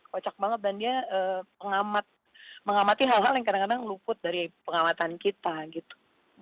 kocak banget dan dia mengamati hal hal yang kadang kadang luput dari pengawatan kita gitu